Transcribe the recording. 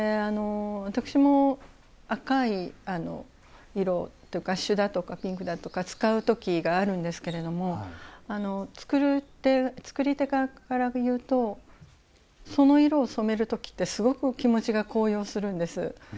私も赤い色というか朱だとかピンクだとか使うときがあるんですけれども作り手側からいうとその色を染めるときってすごく気持ちが高揚するんです。